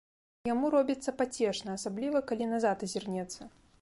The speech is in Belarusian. Яму робіцца пацешна, асабліва калі назад азірнецца.